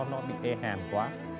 nó bị e hàn quá